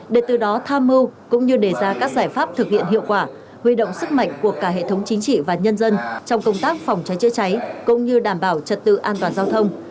để từ đó tham mưu cũng như đề ra các giải pháp thực hiện hiệu quả huy động sức mạnh của cả hệ thống chính trị và nhân dân trong công tác phòng cháy chữa cháy cũng như đảm bảo trật tự an toàn giao thông